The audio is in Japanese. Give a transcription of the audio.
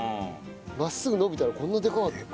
真っすぐ伸びたらこんなでかかった。